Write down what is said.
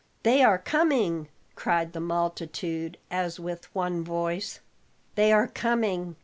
"They are coming!" cried the multitude as with one voice. "They are coming!"